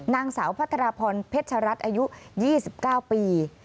นางสาวพัทรพรเพชรัตน์อายุ๒๙ปี